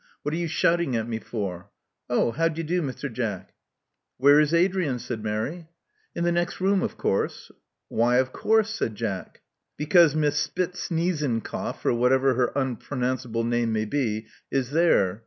'*What are you shouting at me for? Oh, how d'ye do, Mr. Jack?" Where is Adrian?" said Mary. In the next room, of course." Why of course?" said Jack. Because Miss Spitsneezncough — or whatever her unpronounceable name may be — is there.